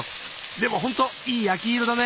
でもほんといい焼き色だね。